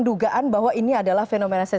dugaan bahwa ini adalah fenomena